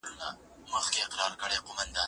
هغه وويل چي نان صحي دی